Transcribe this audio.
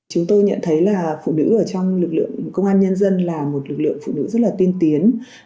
chúng tôi nhận thấy là phụ nữ ở trong lực lượng công an nhân dân là một lực lượng phụ nữ rất là tiên tiến